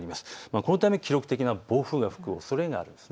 このため記録的な暴風が吹くおそれがあります。